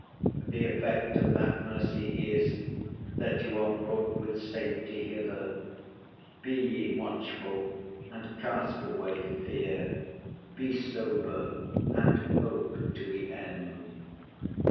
The effect of that mercy is, that you are brought with safety hither. Be ye watchful and cast away fear, be sober and hope to the end.